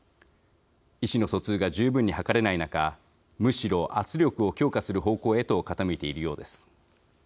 意思の疎通が十分に図れない中むしろ圧力を強化する方向へと傾いているようです。